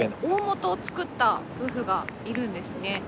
大本を作った夫婦がいるんですね。